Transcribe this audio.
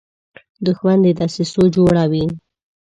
دښمن د دسیسو جوړه وي